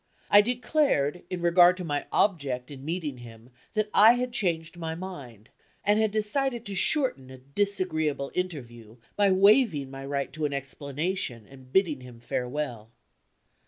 I declared, in regard to my object in meeting him, that I had changed my mind, And had decided to shorten a disagreeable interview by waiving my right to an explanation, and bidding him farewell.